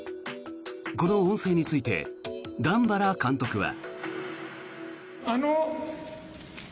この音声について段原監督は。